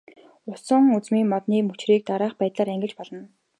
Усан үзмийн модны мөчрийг дараах байдлаар ангилж болно.